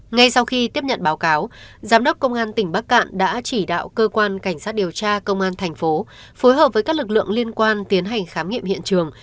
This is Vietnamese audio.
ngay sau khi tiếp nhận báo cáo giám đốc công an tỉnh bắc cạn đã chỉ đạo cơ quan cảnh sát điều tra công an thành phố phối hợp với các lực lượng liên quan tiến hành khám nghiệm hiện trường